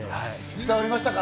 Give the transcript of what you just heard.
伝わりましたか？